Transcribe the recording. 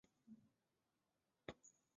伟鬣兽的体型可以比美蒙古安氏中兽。